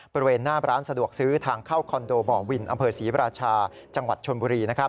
บริเวณหน้าร้านสะดวกซื้อทางเข้าคอนโดบ่อวินอำเภอศรีราชาจังหวัดชนบุรี